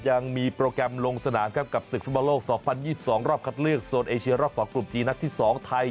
ยังมีโปรแกรมลงสนามครับกับศึกฟุตบอลโลก๒๐๒๒รอบคัดเลือกโซนเอเชียรอบ๒กลุ่มจีนนัดที่๒ไทย